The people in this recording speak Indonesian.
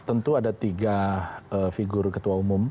tentu ada tiga figur ketua umum